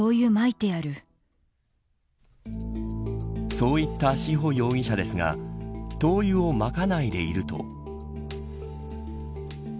そう言った志保容疑者ですが灯油をまかないでいると。